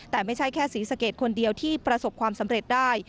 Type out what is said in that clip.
แต่ไม่ใช่แค่ศรีสะเกดคนเดียวที่ประสบความสำเร็จได้